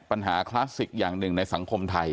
คลาสสิกอย่างหนึ่งในสังคมไทย